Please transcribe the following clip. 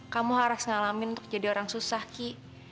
kamu harus ngalamin untuk jadi orang susah ki